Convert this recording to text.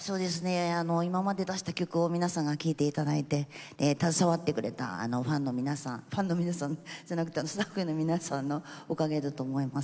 今まで出した曲を皆さんに聴いていただいて携わってくれたファンの皆さんじゃなくてスタッフの皆さんのおかげだと思ってます。